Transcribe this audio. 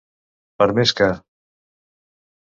Per més que.